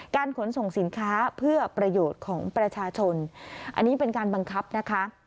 ขนส่งสินค้าเพื่อประโยชน์ของประชาชนอันนี้เป็นการบังคับนะคะ